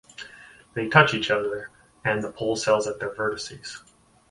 They touch each other, and the pole cells at their vertices.